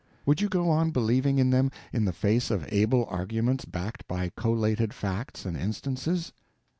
Would you go on believing in them in the face of able arguments backed by collated facts and instances?